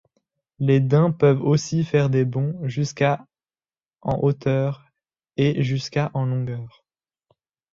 Les daims peuvent aussi faire des bonds jusqu'à en hauteur et jusqu'à en longueur.